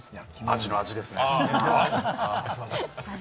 アジの味ですね。